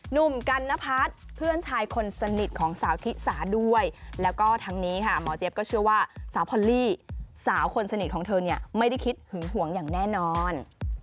หนุ่มกันนพัฒน์เพื่อนชายคนสนิทของสาวธิสาด้วยแล้วก็ทั้งนี้ค่ะหมอเจี๊ยบก็เชื่อว่าสาวพอลลี่สาวคนสนิทของเธอเนี่ยไม่ได้คิดหึงหวงอย่างแน่นอน